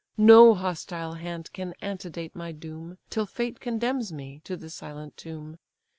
No hostile hand can antedate my doom, Till fate condemns me to the silent tomb.